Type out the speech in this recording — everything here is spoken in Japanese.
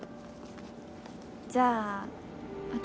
じゃあ私